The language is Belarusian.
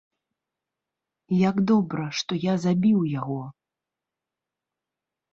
Як добра, што я забіў яго.